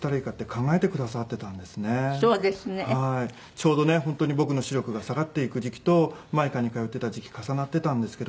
ちょうどね本当に僕の視力が下がっていく時期とマイカに通ってた時期重なってたんですけど。